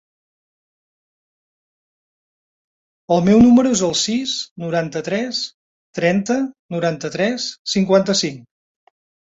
El meu número es el sis, noranta-tres, trenta, noranta-tres, cinquanta-cinc.